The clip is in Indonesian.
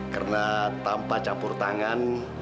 karena tanpa campur tangan